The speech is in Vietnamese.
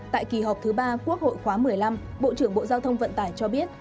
tại kỳ họp thứ ba quốc hội khóa một mươi năm bộ trưởng bộ giao thông vận tải cho biết